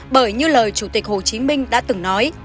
bởi như lời chủ tịch hồ chí minh đã từng nói